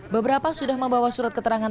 beberapa sudah membawa surat keterangan